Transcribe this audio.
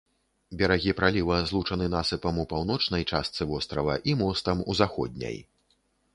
Берагі праліва злучаны насыпам у паўночнай частцы вострава і мостам у заходняй.